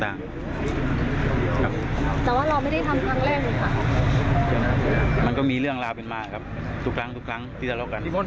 แต่ว่าเราไม่ได้ทำทางแรกเลยค่ะ